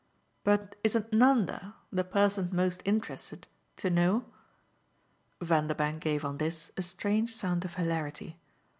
"But isn't Nanda, the person most interested, to know?" Vanderbank gave on this a strange sound of hilarity.